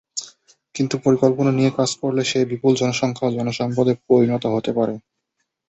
কিন্তু পরিকল্পনা নিয়ে কাজ করলে সেই বিপুল জনসংখ্যাও জনসম্পদে পরিণত হতে পারে।